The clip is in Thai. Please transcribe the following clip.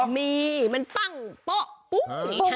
มีมันปั้งป๊อกปุ้งอย่างนี้